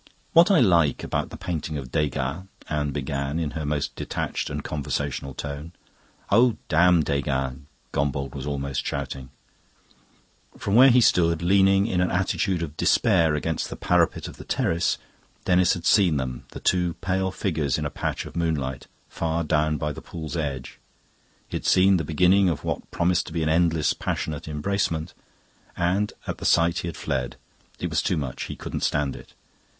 "What I like about the painting of Degas..." Anne began in her most detached and conversational tone. "Oh, damn Degas!" Gombauld was almost shouting. From where he stood, leaning in an attitude of despair against the parapet of the terrace, Denis had seen them, the two pale figures in a patch of moonlight, far down by the pool's edge. He had seen the beginning of what promised to be an endless passionate embracement, and at the sight he had fled. It was too much; he couldn't stand it.